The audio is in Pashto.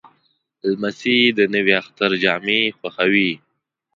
لمسی د نوي اختر جامې خوښوي.